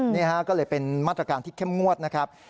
นี่ฮะก็เลยเป็นมาตรการที่เข้มงวดนะครับ